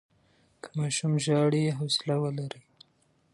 که ماشوم ژاړي، حوصله ولرئ.